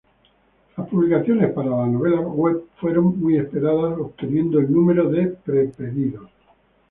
Las publicaciones para la novela web fueron muy esperadas, obteniendo el número de pre-pedidos.